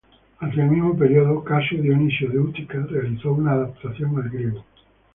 Hacia el mismo periodo, Casio Dionisio de Útica realizó una adaptación al griego.